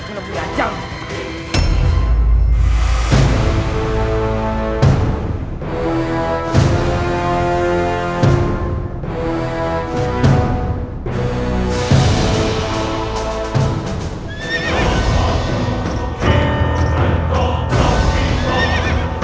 mengapa kau terhitung